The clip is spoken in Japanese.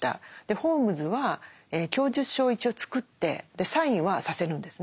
ホームズは供述書を一応作ってサインはさせるんですね。